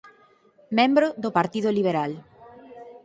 Membro do Partido Liberal.